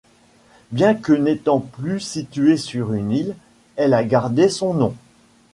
Bien que n’étant plus située sur une île, elle a gardé son nom.